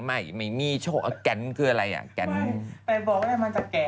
ไม่ไม่มีโชคแก่นคืออะไรอ่ะแก่นไม่แต่บอกว่ามันจากแก่น